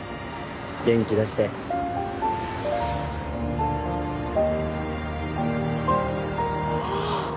元気出してああっ！